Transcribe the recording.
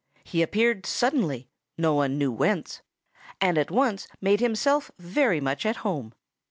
He appeared suddenly no one knew whence and at once made himself very much at home.